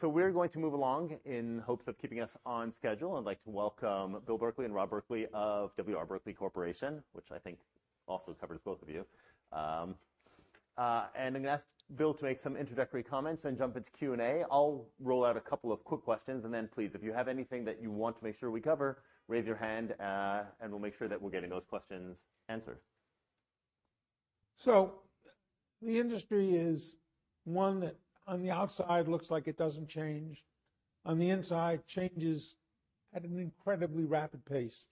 Okay, we're going to move along in hopes of keeping us on schedule. I'd like to welcome Bill Berkley and Rob Berkley of W. R. Berkley Corporation, which I think also covers both of you. I'm going to ask Bill to make some introductory comments, then jump into Q&A. I'll roll out a couple of quick questions, please, if you have anything that you want to make sure we cover, raise your hand, and we'll make sure that we're getting those questions answered. The industry is one that on the outside looks like it doesn't change. On the inside, changes at an incredibly rapid pace.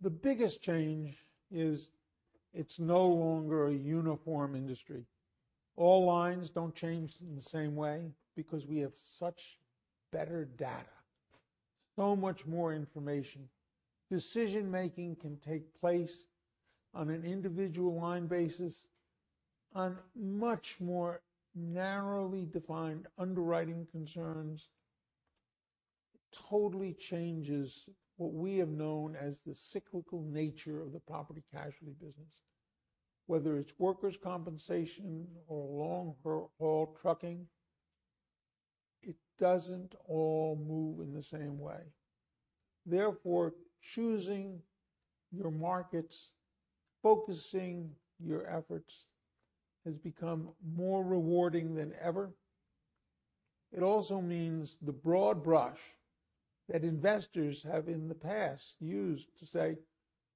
The biggest change is it's no longer a uniform industry. All lines don't change in the same way because we have such better data, so much more information. Decision-making can take place on an individual line basis on much more narrowly defined underwriting concerns. Totally changes what we have known as the cyclical nature of the property casualty business. Whether it's workers' compensation or long-haul trucking, it doesn't all move in the same way. Therefore, choosing your markets, focusing your efforts, has become more rewarding than ever. It also means the broad brush that investors have in the past used to say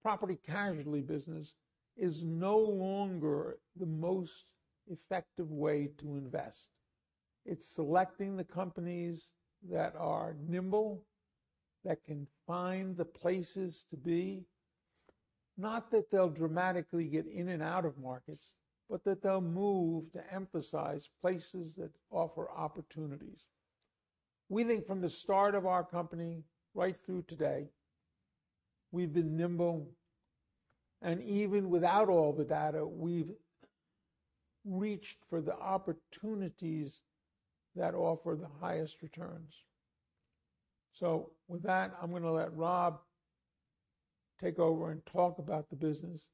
property casualty business is no longer the most effective way to invest. It's selecting the companies that are nimble, that can find the places to be. Not that they'll dramatically get in and out of markets, but that they'll move to emphasize places that offer opportunities. We think from the start of our company right through today, we've been nimble and even without all the data, we've reached for the opportunities that offer the highest returns. With that, I'm going to let Rob take over and talk about the business.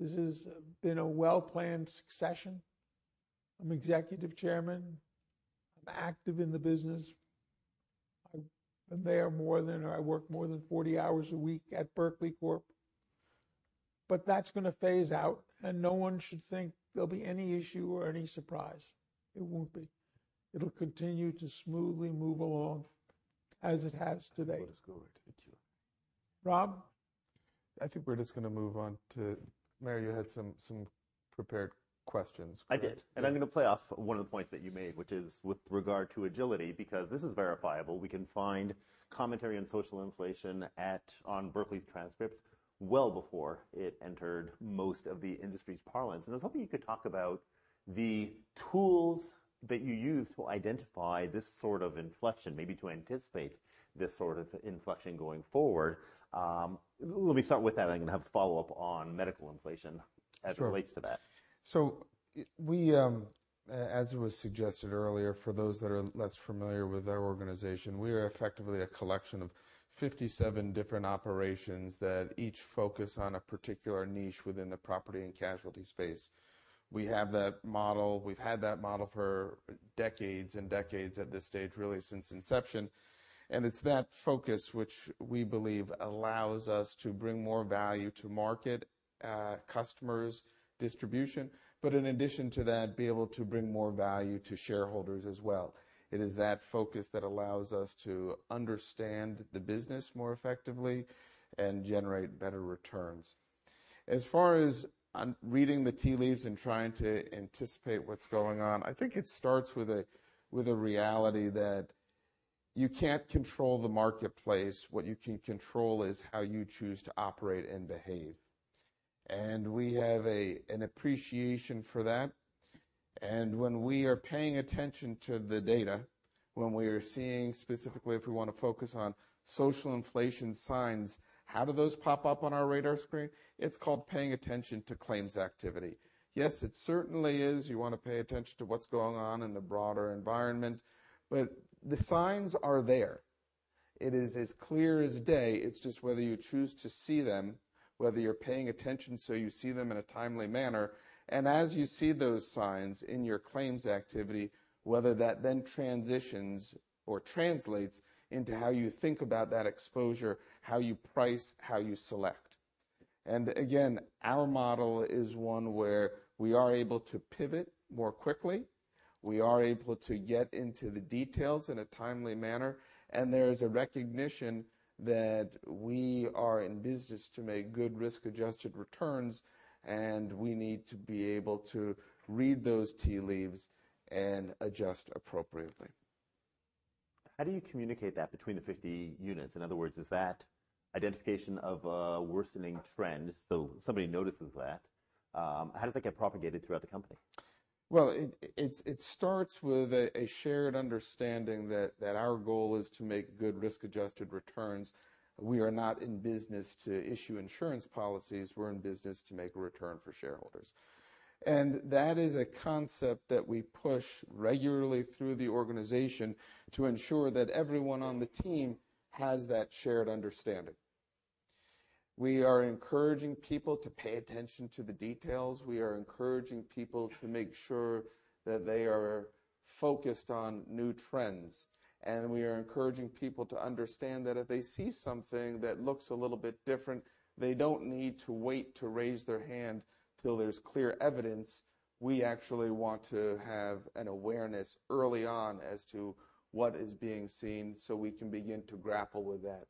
This has been a well-planned succession. I'm Executive Chairman. I'm active in the business. I'm there more than, or I work more than 40 hours a week at Berkley Corp. That's going to phase out, and no one should think there'll be any issue or any surprise. It won't be. It'll continue to smoothly move along as it has today. I'll just go right to you. Rob? I think we're just going to move on to Mary, you had some prepared questions, correct? I did. I'm going to play off one of the points that you made, which is with regard to agility, because this is verifiable. We can find commentary on social inflation on Berkley's transcripts well before it entered most of the industry's parlance. I was hoping you could talk about the tools that you use to identify this sort of inflection, maybe to anticipate this sort of inflection going forward. Let me start with that, and I'm going to have a follow-up on medical inflation as it relates to that. We, as it was suggested earlier, for those that are less familiar with our organization, we are effectively a collection of 57 different operations that each focus on a particular niche within the property and casualty space. We have that model. We've had that model for decades and decades at this stage, really since inception. It's that focus which we believe allows us to bring more value to market, customers, distribution, but in addition to that, be able to bring more value to shareholders as well. It is that focus that allows us to understand the business more effectively and generate better returns. As far as reading the tea leaves and trying to anticipate what's going on, I think it starts with a reality that you can't control the marketplace. What you can control is how you choose to operate and behave. We have an appreciation for that. When we are paying attention to the data, when we are seeing specifically if we want to focus on social inflation signs, how do those pop up on our radar screen? It's called paying attention to claims activity. Yes, it certainly is. You want to pay attention to what's going on in the broader environment, but the signs are there. It is as clear as day. It's just whether you choose to see them, whether you're paying attention so you see them in a timely manner. As you see those signs in your claims activity, whether that then transitions or translates into how you think about that exposure, how you price, how you select. Again, our model is one where we are able to pivot more quickly. We are able to get into the details in a timely manner. There is a recognition that we are in business to make good risk-adjusted returns, and we need to be able to read those tea leaves and adjust appropriately. How do you communicate that between the 50 units? In other words, is that identification of a worsening trend, so somebody notices that, how does that get propagated throughout the company? Well, it starts with a shared understanding that our goal is to make good risk-adjusted returns. We are not in business to issue insurance policies. We're in business to make a return for shareholders. That is a concept that we push regularly through the organization to ensure that everyone on the team has that shared understanding. We are encouraging people to pay attention to the details. We are encouraging people to make sure that they are focused on new trends. We are encouraging people to understand that if they see something that looks a little bit different, they don't need to wait to raise their hand till there's clear evidence. We actually want to have an awareness early on as to what is being seen so we can begin to grapple with that.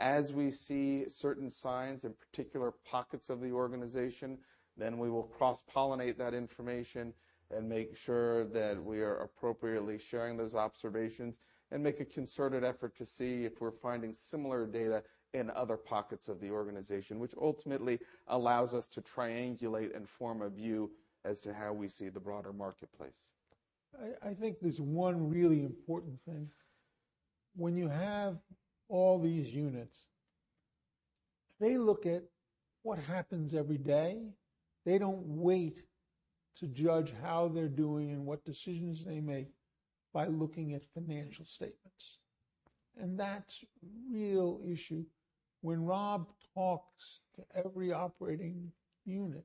As we see certain signs in particular pockets of the organization, then we will cross-pollinate that information and make sure that we are appropriately sharing those observations and make a concerted effort to see if we're finding similar data in other pockets of the organization, which ultimately allows us to triangulate and form a view as to how we see the broader marketplace. I think there's one really important thing. When you have all these units, they look at what happens every day. They don't wait to judge how they're doing and what decisions they make by looking at financial statements. That's real issue. When Rob talks to every operating unit,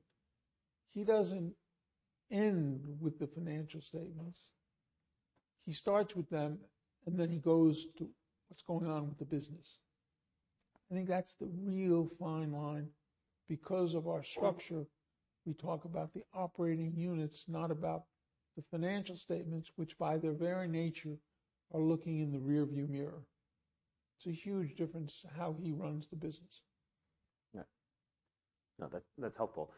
he doesn't end with the financial statements. He starts with them, then he goes to what's going on with the business. I think that's the real fine line. Because of our structure, we talk about the operating units, not about the financial statements, which by their very nature are looking in the rear-view mirror. It's a huge difference how he runs the business. Yeah. No, that's helpful.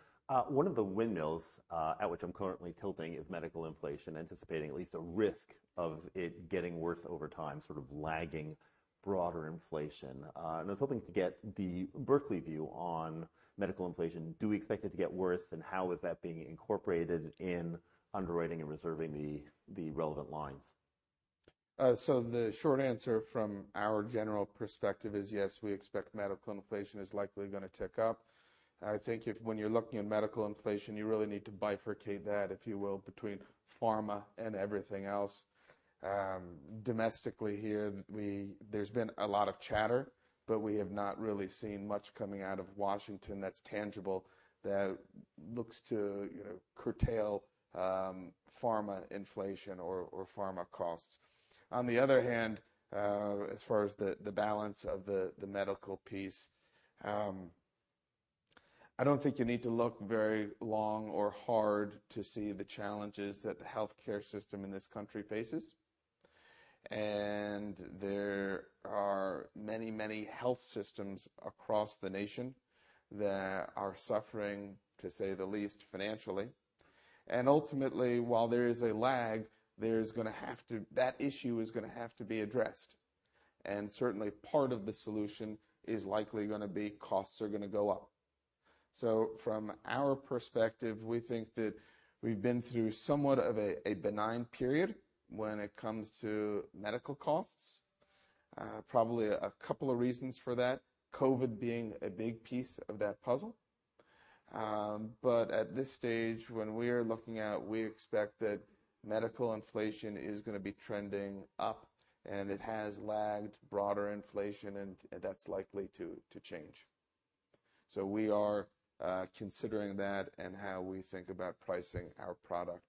One of the windmills at which I'm currently tilting is medical inflation, anticipating at least a risk of it getting worse over time, sort of lagging broader inflation. I was hoping to get the Berkley view on medical inflation. Do we expect it to get worse? How is that being incorporated in underwriting and reserving the relevant lines? The short answer from our general perspective is yes, we expect medical inflation is likely going to tick up. I think when you're looking at medical inflation, you really need to bifurcate that, if you will, between pharma and everything else. Domestically here, there's been a lot of chatter, we have not really seen much coming out of Washington that's tangible that looks to curtail pharma inflation or pharma costs. On the other hand, as far as the balance of the medical piece, I don't think you need to look very long or hard to see the challenges that the healthcare system in this country faces. There are many health systems across the nation that are suffering, to say the least, financially. Ultimately, while there is a lag, that issue is going to have to be addressed. Certainly, part of the solution is likely going to be costs are going to go up. From our perspective, we think that we've been through somewhat of a benign period when it comes to medical costs. Probably a couple of reasons for that, COVID being a big piece of that puzzle. At this stage, when we're looking out, we expect that medical inflation is going to be trending up, it has lagged broader inflation, that's likely to change. We are considering that and how we think about pricing our product.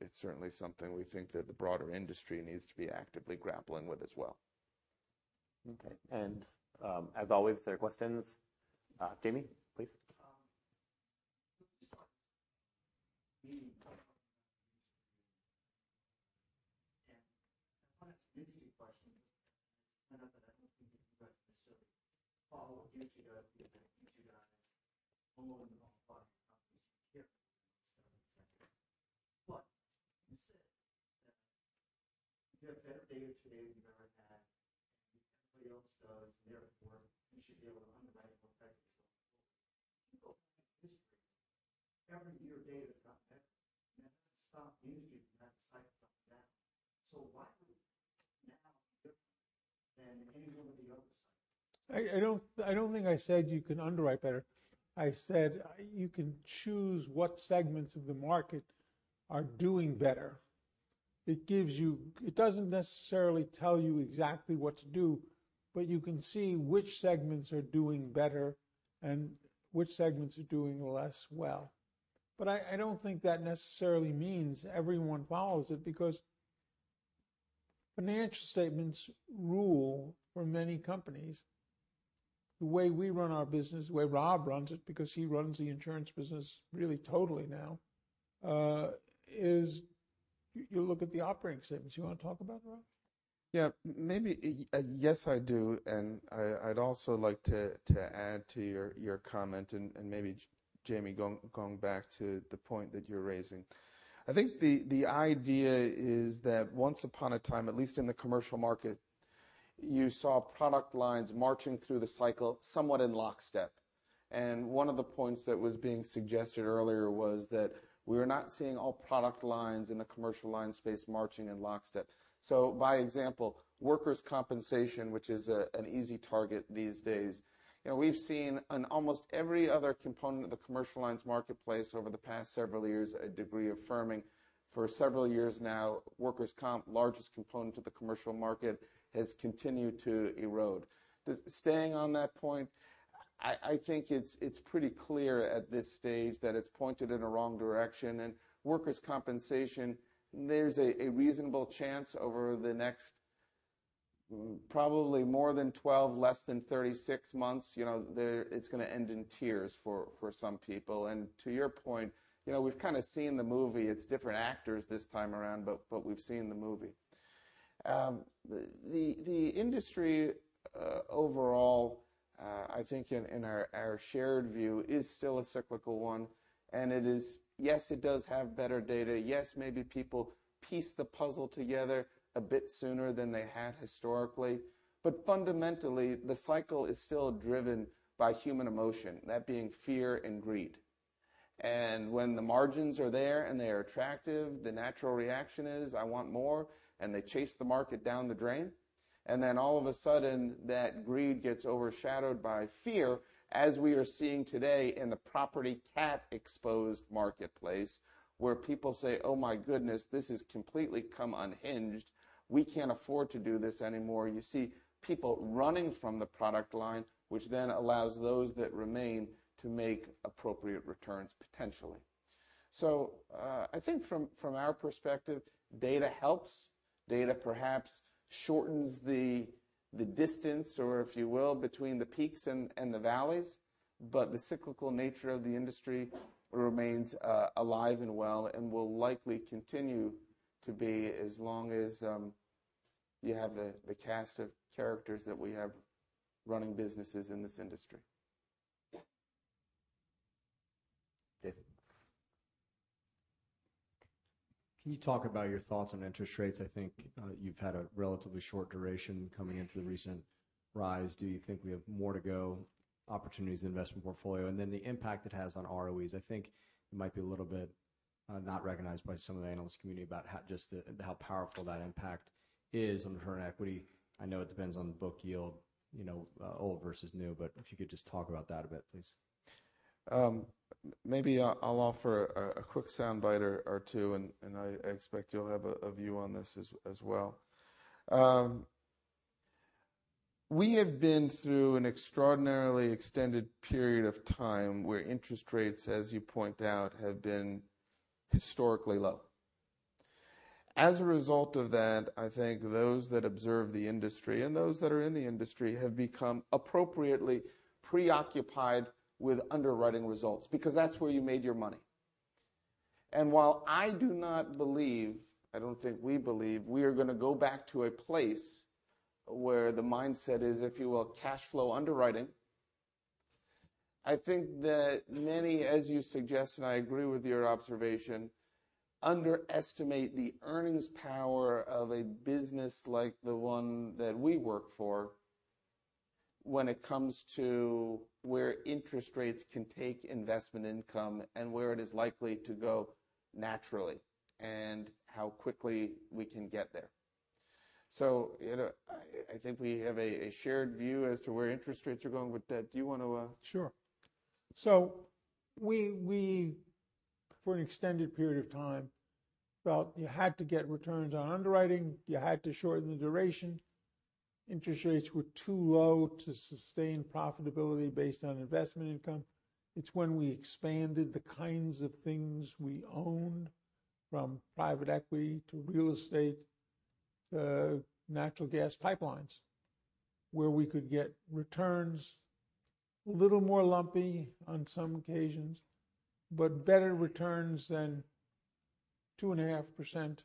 It's certainly something we think that the broader industry needs to be actively grappling with as well. Okay. As always, there are questions. Jamie, please. I want to ask you two a question. Not that I don't think you guys necessarily follow you two guys, you two guys more than all the other companies you care about. You said that you have better data today than you've ever had, and everybody else does, therefore, you should be able to underwrite it more effectively. People have history. Every year, data's gotten better, and that hasn't stopped the industry from having cycles up and down. Why would now be different than any one of the other cycles? I don't think I said you can underwrite better. I said you can choose what segments of the market are doing better. It doesn't necessarily tell you exactly what to do, but you can see which segments are doing better and which segments are doing less well. I don't think that necessarily means everyone follows it because financial statements rule for many companies. The way we run our business, the way Rob runs it, because he runs the insurance business really totally now, is you look at the operating statements. You want to talk about it, Rob? Yeah. Yes, I do. I'd also like to add to your comment and maybe, Jamie, going back to the point that you're raising. I think the idea is that once upon a time, at least in the commercial market, you saw product lines marching through the cycle somewhat in lockstep. One of the points that was being suggested earlier was that we are not seeing all product lines in the commercial line space marching in lockstep. By example, workers' compensation, which is an easy target these days. We've seen in almost every other component of the commercial lines marketplace over the past several years, a degree of firming. For several years now, workers' comp, largest component of the commercial market, has continued to erode. Staying on that point. I think it's pretty clear at this stage that it's pointed in a wrong direction. Workers' compensation, there's a reasonable chance over the next probably more than 12, less than 36 months, it's going to end in tears for some people. To your point, we've kind of seen the movie. It's different actors this time around, but we've seen the movie. The industry overall, I think in our shared view, is still a cyclical one, and yes, it does have better data. Yes, maybe people piece the puzzle together a bit sooner than they had historically. Fundamentally, the cycle is still driven by human emotion, that being fear and greed. When the margins are there and they are attractive, the natural reaction is, "I want more," and they chase the market down the drain. All of a sudden, that greed gets overshadowed by fear, as we are seeing today in the property catastrophe-exposed marketplace, where people say, "Oh my goodness, this has completely come unhinged. We can't afford to do this anymore." You see people running from the product line, which then allows those that remain to make appropriate returns, potentially. I think from our perspective, data helps. Data perhaps shortens the distance, or if you will, between the peaks and the valleys. The cyclical nature of the industry remains alive and well and will likely continue to be as long as you have the cast of characters that we have running businesses in this industry. David. Can you talk about your thoughts on interest rates? I think you've had a relatively short duration coming into the recent rise. Do you think we have more to go, opportunities in investment portfolio? The impact it has on ROEs. I think it might be a little bit not recognized by some of the analyst community about just how powerful that impact is on return equity. I know it depends on the book yield, old versus new, but if you could just talk about that a bit, please. Maybe I'll offer a quick soundbite or two. I expect you'll have a view on this as well. We have been through an extraordinarily extended period of time where interest rates, as you point out, have been historically low. As a result of that, I think those that observe the industry and those that are in the industry have become appropriately preoccupied with underwriting results, because that's where you made your money. While I do not believe, I don't think we believe we are going to go back to a place where the mindset is, if you will, cash flow underwriting. I think that many, as you suggest, and I agree with your observation, underestimate the earnings power of a business like the one that we work for when it comes to where interest rates can take investment income and where it is likely to go naturally, and how quickly we can get there. I think we have a shared view as to where interest rates are going with that. Do you want to- Sure. We, for an extended period of time, felt you had to get returns on underwriting. You had to shorten the duration. Interest rates were too low to sustain profitability based on investment income. It's when we expanded the kinds of things we owned, from private equity to real estate to natural gas pipelines, where we could get returns, a little more lumpy on some occasions, but better returns than 2.5%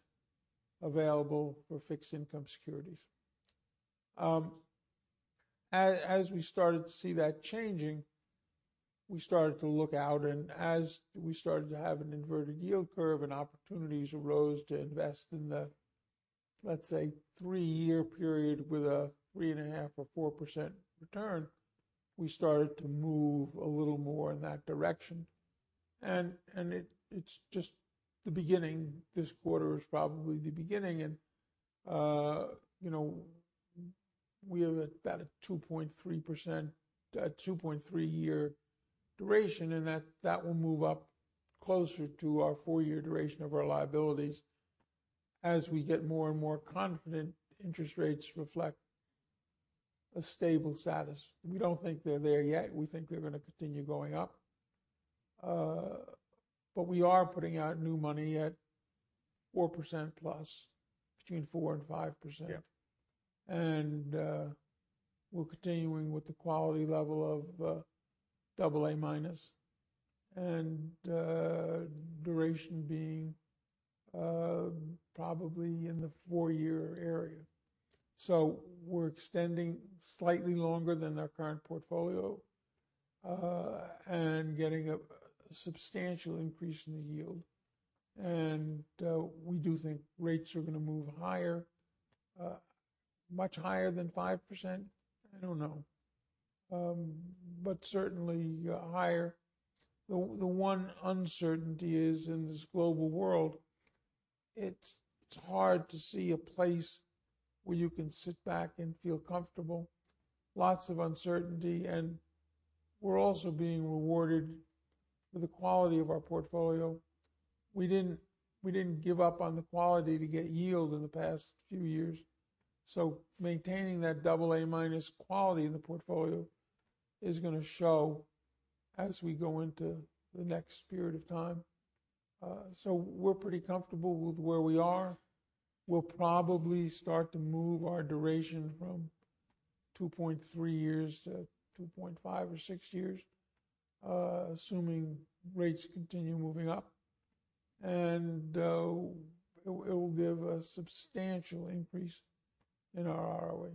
available for fixed income securities. As we started to see that changing, we started to look out, as we started to have an inverted yield curve and opportunities arose to invest in the, let's say, three-year period with a 3.5 or 4% return, we started to move a little more in that direction. It's just the beginning. This quarter is probably the beginning, we are at about a 2.3-year duration, that will move up closer to our four-year duration of our liabilities as we get more and more confident interest rates reflect a stable status. We don't think they're there yet. We think they're going to continue going up. We are putting out new money at 4% plus, between 4 and 5%. Yep. We're continuing with the quality level of AA minus and duration being probably in the four-year area. We're extending slightly longer than our current portfolio, getting a substantial increase in the yield. We do think rates are going to move higher. Much higher than 5%? I don't know. Certainly higher. The one uncertainty is in this global world, it's hard to see a place where you can sit back and feel comfortable. Lots of uncertainty, we're also being rewarded for the quality of our portfolio. We didn't give up on the quality to get yield in the past few years. Maintaining that double A minus quality in the portfolio is going to show as we go into the next period of time. We're pretty comfortable with where we are. We'll probably start to move our duration from 2.3 years to 2.5 or 6 years, assuming rates continue moving up. It will give a substantial increase in our ROE.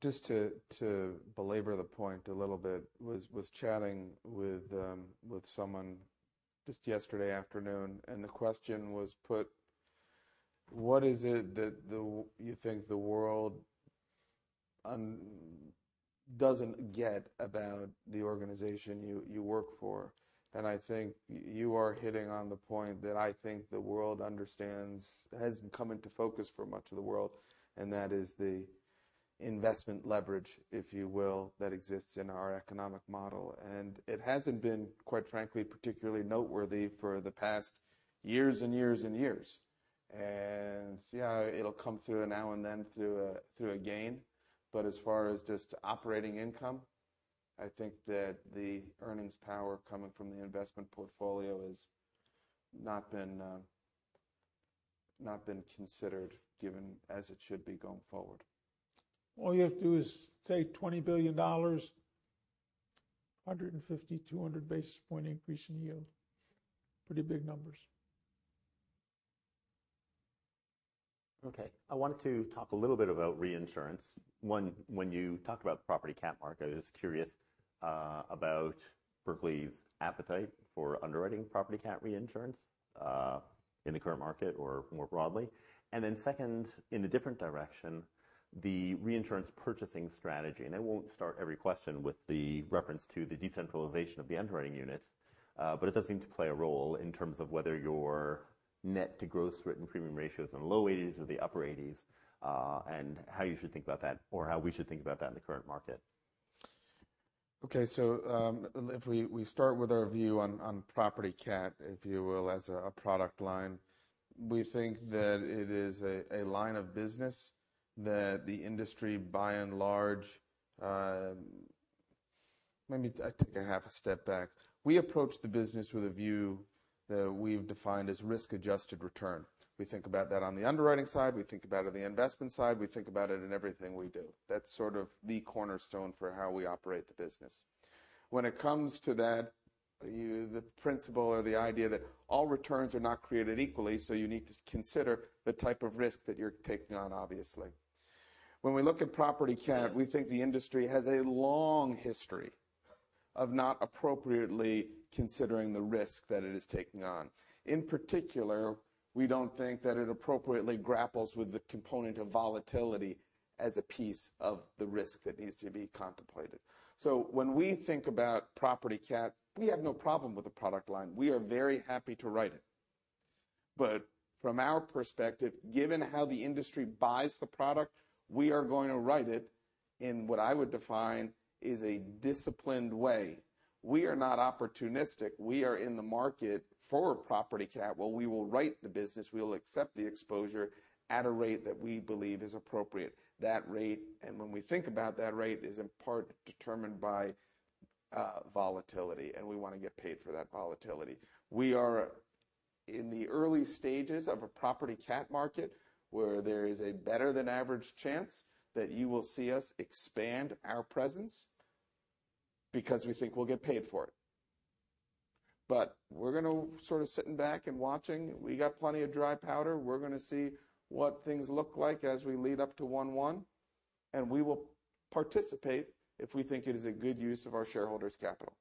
Just to belabor the point a little bit, was chatting with someone just yesterday afternoon. The question was put, what is it that you think the world doesn't get about the organization you work for? I think you are hitting on the point that I think hasn't come into focus for much of the world, and that is the investment leverage, if you will, that exists in our economic model. It hasn't been, quite frankly, particularly noteworthy for the past years and years and years. Yeah, it'll come through now and then through a gain. As far as just operating income, I think that the earnings power coming from the investment portfolio has not been considered given as it should be going forward. All you have to do is say $20 billion, 150, 200 basis point increase in yield. Pretty big numbers. Okay. I wanted to talk a little bit about reinsurance. One, when you talked about the property catastrophe market, I was curious about Berkley's appetite for underwriting property catastrophe reinsurance, in the current market or more broadly. Then second, in a different direction, the reinsurance purchasing strategy. I won't start every question with the reference to the decentralization of the underwriting units, but it does seem to play a role in terms of whether your net to gross written premium ratio is in the low 80s or the upper 80s, and how you should think about that or how we should think about that in the current market. Okay. If we start with our view on property cat, if you will, as a product line, we think that it is a line of business that the industry, by and large. Maybe I take a half a step back. We approach the business with a view that we've defined as risk-adjusted return. We think about that on the underwriting side, we think about it on the investment side, we think about it in everything we do. That's sort of the cornerstone for how we operate the business. When it comes to that, the principle or the idea that all returns are not created equally, you need to consider the type of risk that you're taking on, obviously. When we look at property cat, we think the industry has a long history of not appropriately considering the risk that it is taking on. In particular, we don't think that it appropriately grapples with the component of volatility as a piece of the risk that needs to be contemplated. When we think about property cat, we have no problem with the product line. We are very happy to write it. From our perspective, given how the industry buys the product, we are going to write it in what I would define is a disciplined way. We are not opportunistic. We are in the market for property cat, where we will write the business, we will accept the exposure at a rate that we believe is appropriate. That rate, and when we think about that rate, is in part determined by volatility, and we want to get paid for that volatility. We are in the early stages of a property cat market where there is a better than average chance that you will see us expand our presence because we think we'll get paid for it. We're going to sort of sitting back and watching. We got plenty of dry powder. We're going to see what things look like as we lead up to one-one, and we will participate if we think it is a good use of our shareholders' capital.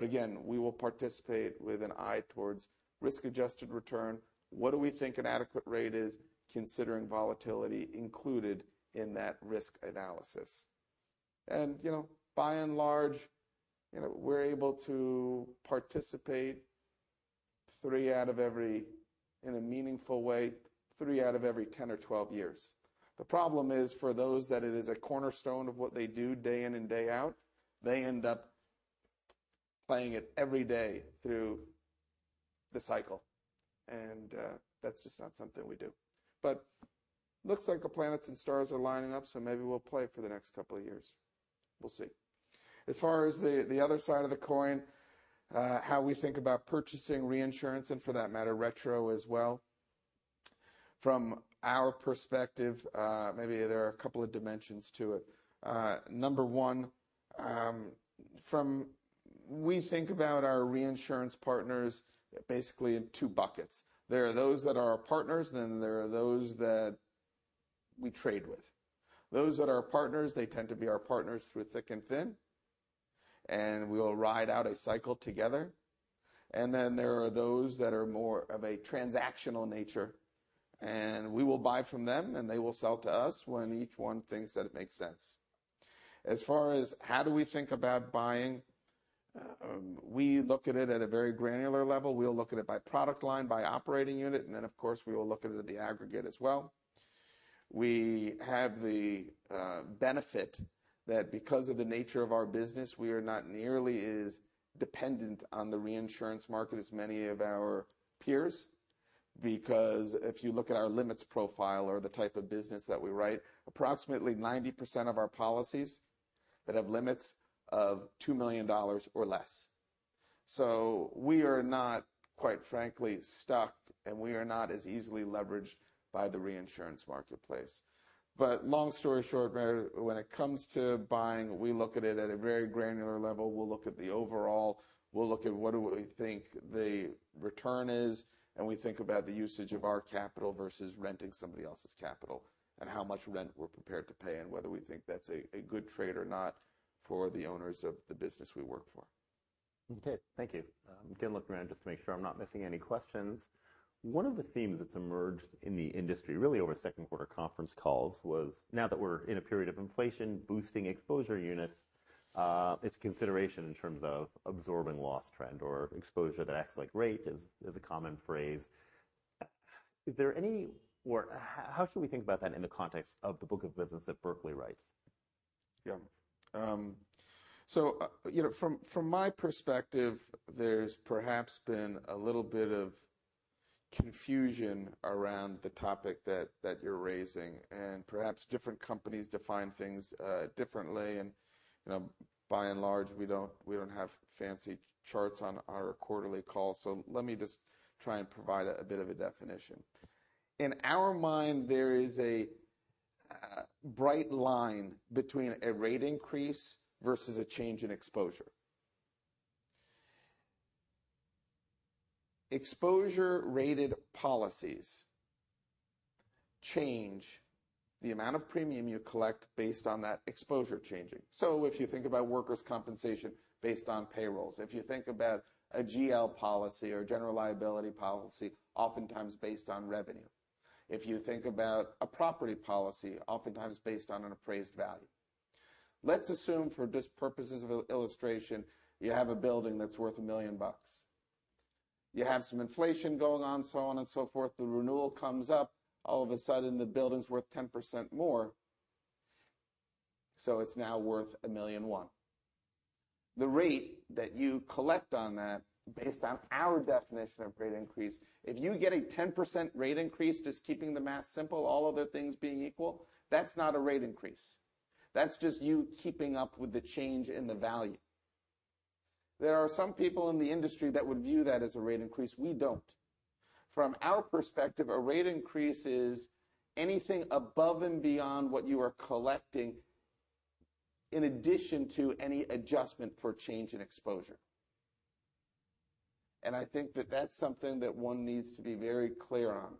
Again, we will participate with an eye towards risk-adjusted return. What do we think an adequate rate is considering volatility included in that risk analysis? By and large, we're able to participate in a meaningful way, three out of every 10 or 12 years. The problem is for those that it is a cornerstone of what they do day in and day out, they end up playing it every day through the cycle. That's just not something we do. Looks like the planets and stars are lining up, maybe we'll play for the next couple of years. We'll see. As far as the other side of the coin, how we think about purchasing reinsurance, and for that matter, retro as well. From our perspective, maybe there are a couple of dimensions to it. Number one, we think about our reinsurance partners basically in two buckets. There are those that are our partners, then there are those that we trade with. Those that are our partners, they tend to be our partners through thick and thin. We will ride out a cycle together. Then there are those that are more of a transactional nature. We will buy from them, and they will sell to us when each one thinks that it makes sense. As far as how do we think about buying, we look at it at a very granular level. We will look at it by product line, by operating unit, and then, of course, we will look at it at the aggregate as well. We have the benefit that because of the nature of our business, we are not nearly as dependent on the reinsurance market as many of our peers. If you look at our limits profile or the type of business that we write, approximately 90% of our policies that have limits of $2 million or less. We are not, quite frankly, stuck, and we are not as easily leveraged by the reinsurance marketplace. Long story short, when it comes to buying, we look at it at a very granular level. We will look at the overall, we will look at what do we think the return is, and we think about the usage of our capital versus renting somebody else's capital, and how much rent we are prepared to pay, and whether we think that's a good trade or not for the owners of the business we work for. Okay, thank you. I am going to look around just to make sure I am not missing any questions. One of the themes that's emerged in the industry, really over second quarter conference calls, was now that we are in a period of inflation boosting exposure units, its consideration in terms of absorbing loss trend or exposure that acts like rate is a common phrase. How should we think about that in the context of the book of business that Berkley writes? From my perspective, there's perhaps been a little bit of confusion around the topic that you are raising, and perhaps different companies define things differently. By and large, we don't have fancy charts on our quarterly call. Let me just try and provide a bit of a definition. In our mind, there is a bright line between a rate increase versus a change in exposure. Exposure rated policies change the amount of premium you collect based on that exposure changing. If you think about workers' compensation based on payrolls, if you think about a GL policy or general liability policy, oftentimes based on revenue. If you think about a property policy, oftentimes based on an appraised value. Let's assume for just purposes of illustration, you have a building that's worth $1 million. You have some inflation going on, so on and so forth. The renewal comes up, all of a sudden the building's worth 10% more, so it's now worth $1.1 million. The rate that you collect on that, based on our definition of rate increase, if you get a 10% rate increase, just keeping the math simple, all other things being equal, that's not a rate increase. That's just you keeping up with the change in the value. There are some people in the industry that would view that as a rate increase. We don't. From our perspective, a rate increase is anything above and beyond what you are collecting in addition to any adjustment for change in exposure. I think that that's something that one needs to be very clear on,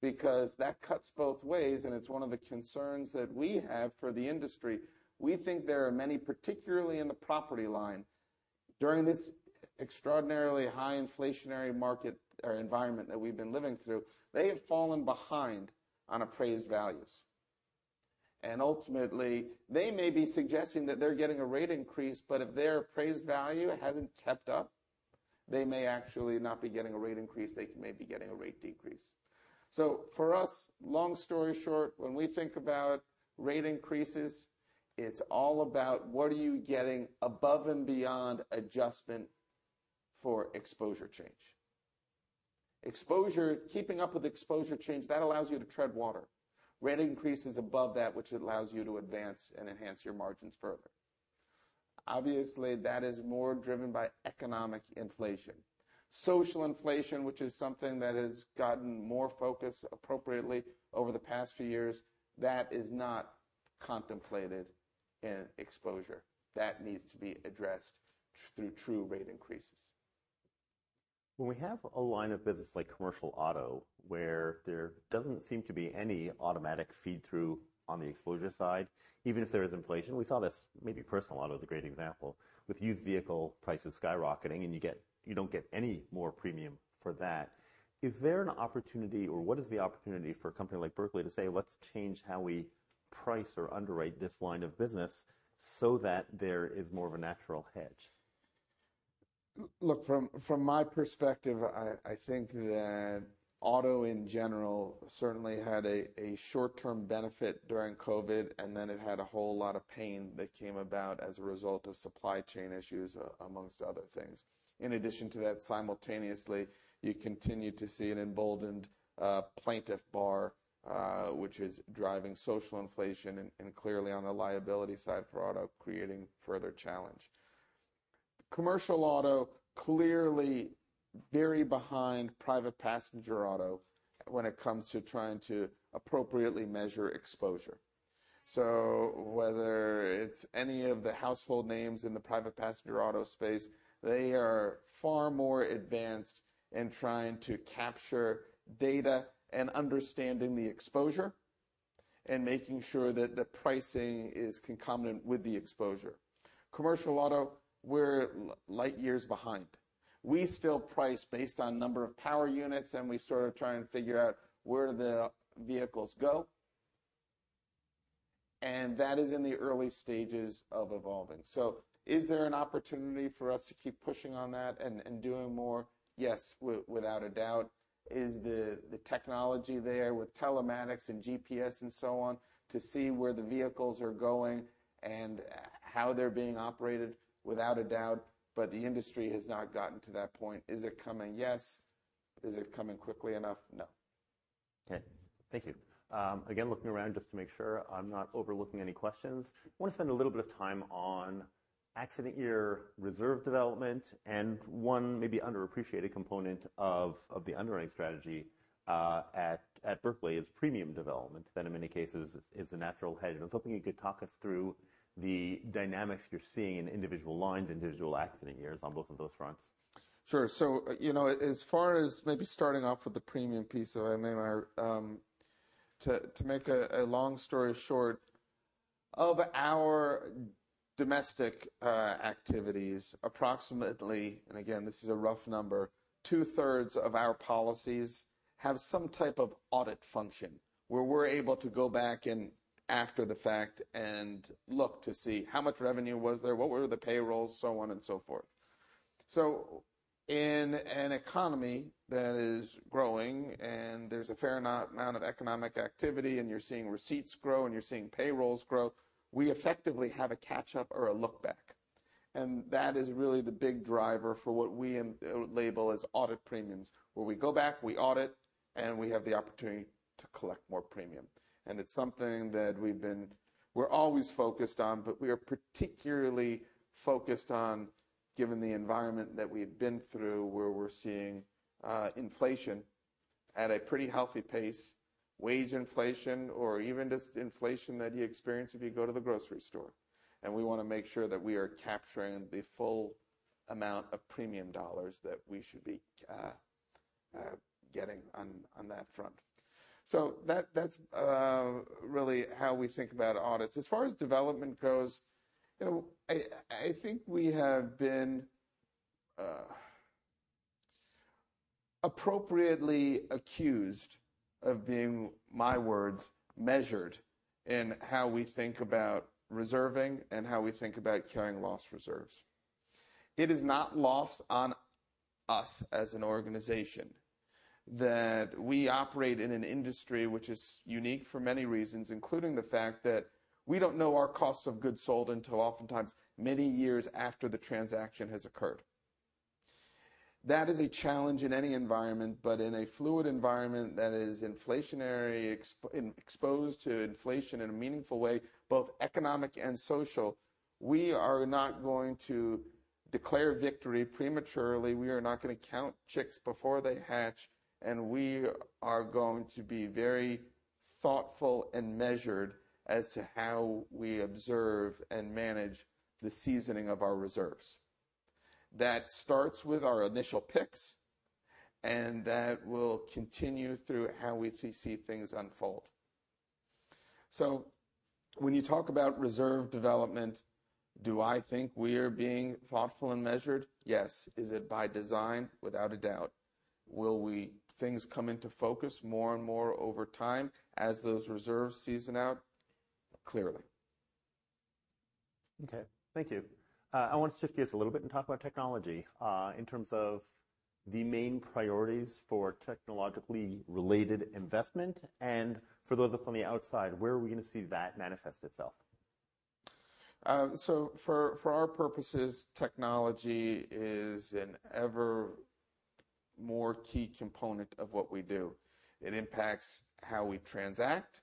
because that cuts both ways, and it's one of the concerns that we have for the industry. We think there are many, particularly in the property line, during this extraordinarily high inflationary market or environment that we've been living through, they have fallen behind on appraised values. Ultimately, they may be suggesting that they're getting a rate increase, but if their appraised value hasn't kept up, they may actually not be getting a rate increase. They may be getting a rate decrease. For us, long story short, when we think about rate increases, it's all about what are you getting above and beyond adjustment for exposure change. Keeping up with exposure change, that allows you to tread water. Rate increases above that which allows you to advance and enhance your margins further. Obviously, that is more driven by economic inflation. Social inflation, which is something that has gotten more focus appropriately over the past few years, that is not contemplated in exposure. That needs to be addressed through true rate increases. When we have a line of business like commercial auto where there doesn't seem to be any automatic feed through on the exposure side, even if there is inflation, we saw this, maybe personal auto is a great example. With used vehicle prices skyrocketing and you don't get any more premium for that. Is there an opportunity or what is the opportunity for a company like Berkley to say, "Let's change how we price or underwrite this line of business so that there is more of a natural hedge"? Look, from my perspective, I think that auto in general certainly had a short-term benefit during COVID, and then it had a whole lot of pain that came about as a result of supply chain issues, amongst other things. In addition to that, simultaneously, you continue to see an emboldened plaintiffs' bar, which is driving social inflation and clearly on the liability side for auto, creating further challenge. Commercial auto, clearly very behind private passenger auto when it comes to trying to appropriately measure exposure. Whether it's any of the household names in the private passenger auto space, they are far more advanced in trying to capture data and understanding the exposure and making sure that the pricing is concomitant with the exposure. Commercial auto, we're light years behind. We still price based on number of power units, and we sort of try and figure out where the vehicles go. That is in the early stages of evolving. Is there an opportunity for us to keep pushing on that and doing more? Yes, without a doubt. Is the technology there with telematics and GPS and so on to see where the vehicles are going and how they're being operated? Without a doubt, but the industry has not gotten to that point. Is it coming? Yes. Is it coming quickly enough? No. Okay. Thank you. Again, looking around just to make sure I'm not overlooking any questions. I want to spend a little bit of time on accident year reserve development, and one maybe underappreciated component of the underwriting strategy at Berkley is premium development. That, in many cases, is a natural hedge, and I was hoping you could talk us through the dynamics you're seeing in individual lines, individual accident years on both of those fronts. Sure. As far as maybe starting off with the premium piece of it, to make a long story short, of our domestic activities, approximately, and again, this is a rough number, two-thirds of our policies have some type of audit function where we're able to go back in after the fact and look to see how much revenue was there, what were the payrolls, so on and so forth. In an economy that is growing and there's a fair amount of economic activity, and you're seeing receipts grow and you're seeing payrolls grow, we effectively have a catch-up or a look back. That is really the big driver for what we label as audit premiums, where we go back, we audit, and we have the opportunity to collect more premium. It's something that we're always focused on, but we are particularly focused on given the environment that we've been through, where we're seeing inflation at a pretty healthy pace, wage inflation or even just inflation that you experience if you go to the grocery store. We want to make sure that we are capturing the full amount of premium dollars that we should be getting on that front. That's really how we think about audits. As far as development goes, I think we have been appropriately accused of being, my words, measured in how we think about reserving and how we think about carrying loss reserves. It is not lost on us as an organization that we operate in an industry which is unique for many reasons, including the fact that we don't know our cost of goods sold until oftentimes many years after the transaction has occurred. That is a challenge in any environment, but in a fluid environment that is inflationary, exposed to inflation in a meaningful way, both economic and social, we are not going to declare victory prematurely. We are not going to count chicks before they hatch, and we are going to be very thoughtful and measured as to how we observe and manage the seasoning of our reserves. That starts with our initial picks, and that will continue through how we see things unfold. When you talk about reserve development, do I think we are being thoughtful and measured? Yes. Is it by design? Without a doubt. Will things come into focus more and more over time as those reserves season out? Clearly. Thank you. I want to shift gears a little bit and talk about technology, in terms of the main priorities for technologically related investment and for those of us on the outside, where are we going to see that manifest itself? For our purposes, technology is an ever more key component of what we do. It impacts how we transact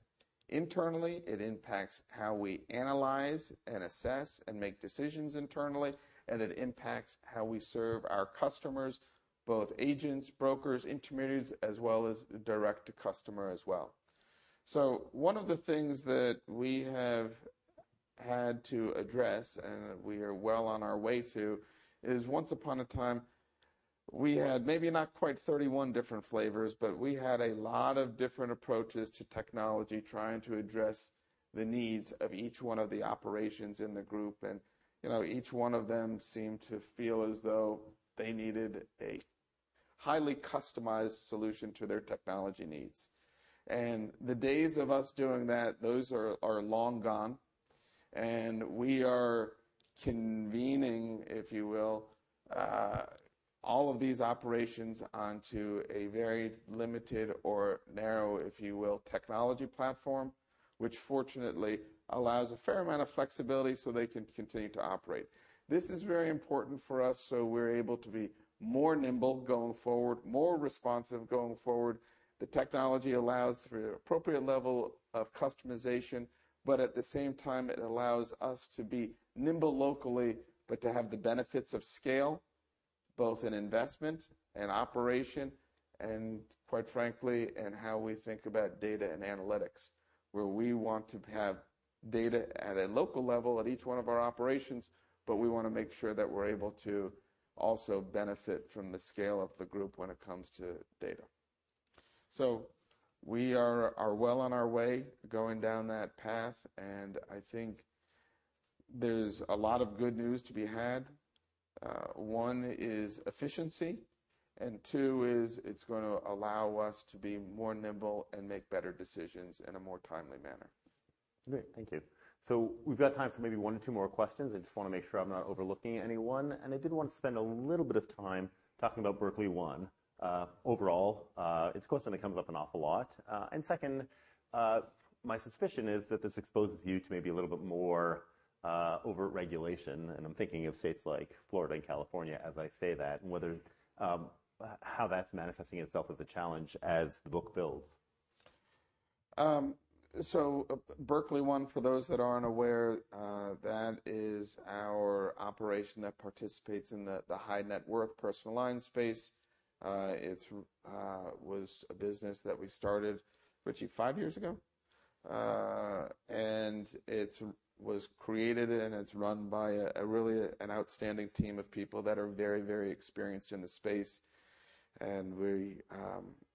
internally. It impacts how we analyze and assess and make decisions internally, it impacts how we serve our customers, both agents, brokers, intermediaries, as well as direct to customer as well. One of the things that we have had to address, and we are well on our way to, is once upon a time, we had maybe not quite 31 different flavors, but we had a lot of different approaches to technology, trying to address the needs of each one of the operations in the group. Each one of them seemed to feel as though they needed a highly customized solution to their technology needs. The days of us doing that, those are long gone, we are convening, if you will, all of these operations onto a very limited or narrow, if you will, technology platform, which fortunately allows a fair amount of flexibility so they can continue to operate. This is very important for us so we're able to be more nimble going forward, more responsive going forward. The technology allows for the appropriate level of customization, but at the same time, it allows us to be nimble locally, but to have the benefits of scale, both in investment and operation, and quite frankly, in how we think about data and analytics, where we want to have data at a local level at each one of our operations, but we want to make sure that we're able to also benefit from the scale of the group when it comes to data. We are well on our way going down that path. I think there's a lot of good news to be had. One is efficiency, and two is it's going to allow us to be more nimble and make better decisions in a more timely manner. Great. Thank you. We've got time for maybe one or two more questions. I just want to make sure I'm not overlooking anyone. I did want to spend a little bit of time talking about Berkley One. Overall, it's a question that comes up an awful lot. Second, my suspicion is that this exposes you to maybe a little bit more overt regulation, and I'm thinking of states like Florida and California as I say that, and how that's manifesting itself as a challenge as the book builds. Berkley One, for those that aren't aware, that is our operation that participates in the high-net-worth personal lines space. It was a business that we started, Richie, five years ago? Yeah. It was created and it's run by really an outstanding team of people that are very experienced in the space. We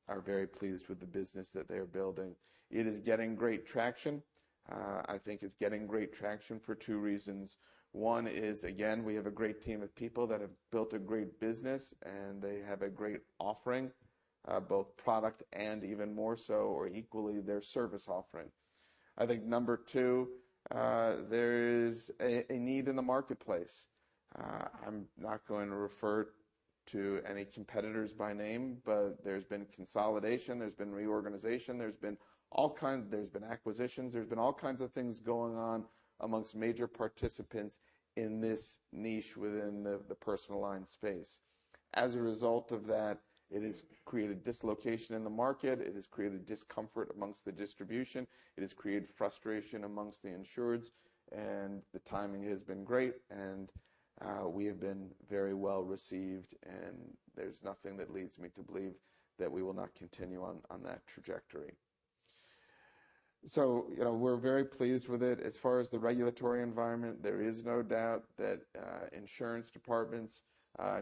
are very pleased with the business that they're building. It is getting great traction. I think it's getting great traction for two reasons. One is, again, we have a great team of people that have built a great business, and they have a great offering, both product and even more so, or equally, their service offering. I think number two, there is a need in the marketplace. I'm not going to refer to any competitors by name, but there's been consolidation, there's been reorganization, there's been acquisitions, there's been all kinds of things going on amongst major participants in this niche within the personal lines space. As a result of that, it has created dislocation in the market. It has created discomfort amongst the distribution. It has created frustration amongst the insureds, and the timing has been great, and we have been very well-received, and there's nothing that leads me to believe that we will not continue on that trajectory. We're very pleased with it. As far as the regulatory environment, there is no doubt that insurance departments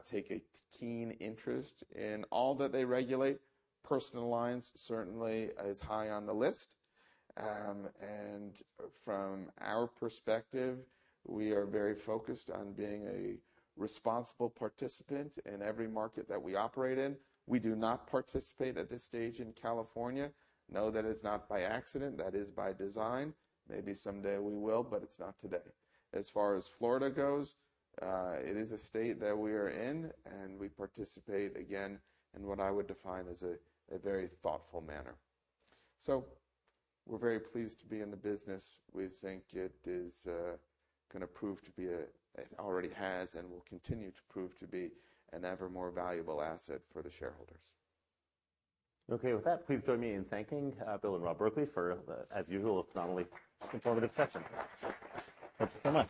take a keen interest in all that they regulate. Personal lines certainly is high on the list. From our perspective, we are very focused on being a responsible participant in every market that we operate in. We do not participate at this stage in California. Know that it's not by accident. That is by design. Maybe someday we will, but it's not today. As far as Florida goes, it is a state that we are in, and we participate, again, in what I would define as a very thoughtful manner. We're very pleased to be in the business. We think it is going to prove to be, it already has and will continue to prove to be an evermore valuable asset for the shareholders. Okay, with that, please join me in thanking Bill and Rob Berkley for the, as usual, phenomenally informative session. Thank you so much.